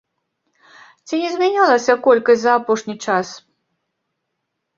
Ці не змянялася колькасць за апошні час?